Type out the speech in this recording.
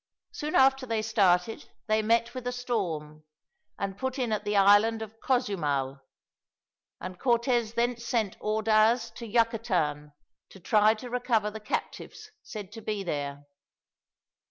Soon after they started they met with a storm, and put in at the island of Cozumal; and Cortez thence sent Ordaz to Yucatan, to try to recover the captives said to be there.